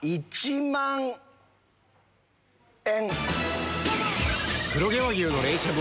１万円。